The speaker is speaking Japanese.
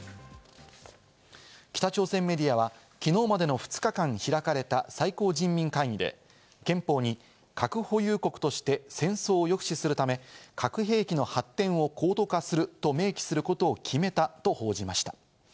北朝鮮メディアはきのうまでの２日間開かれた最高人民会議で、憲法に核保有国として戦争を抑止するため、核兵器の発展を高度化すると明記することを決めたと報じました。